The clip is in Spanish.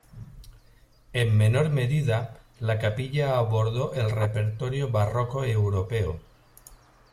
En menor medida, la capilla abordó el repertorio barroco europeo.